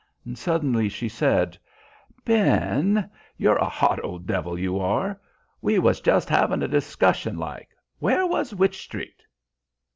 Suddenly she said: "Ben, you're a hot old devil, you are. We was just 'aving a discussion like. Where was Wych Street?"